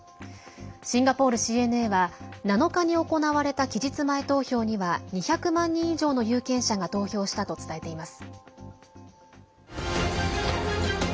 シンガポールＣＮＡは７日に行われた期日前投票には２００万人以上の有権者が投票したと伝えています。